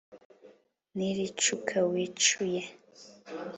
niricuka wicuye